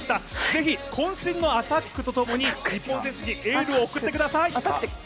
ぜひこん身のアタックとともに日本選手にエールを送ってください。